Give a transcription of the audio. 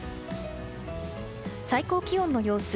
最高気温の様子。